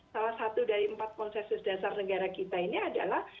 salah satu dari empat konsensus dasar negara kita ini adalah